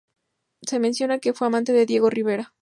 Se menciona que fue amante de Diego Rivera.